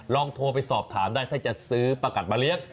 ลองโทรไปสอบถามได้ถ้าจะซื้อประกัดมาเลี้ยง